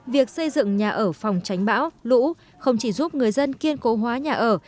việc xây dựng nhà ở phòng tránh bão lũ không chỉ giúp người dân kiên cố hóa nhà ở